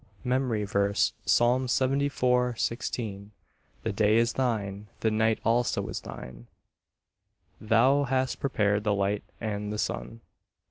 MEMORY VERSE, Psalm 74: 16 "The day is thine, the night also is thine; thou hast prepared the light and the sun."